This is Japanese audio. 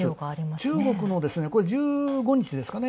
中国も１５日ですかね。